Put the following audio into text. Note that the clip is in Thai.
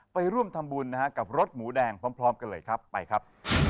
ไปร่วมทำบุญนะฮะกับรถหมูแดงพร้อมกันเลยครับไปครับ